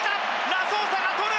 ラソーサが捕る！